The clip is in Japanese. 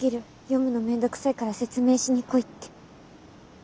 読むの面倒くさいから説明しに来いって！